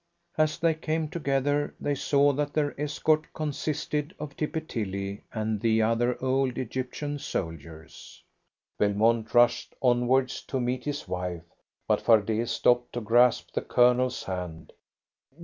As they came together they saw that their escort consisted of Tippy Tilly and the other old Egyptian soldiers. Belmont rushed onwards to meet his wife, but Fardet stopped to grasp the Colonel's hand.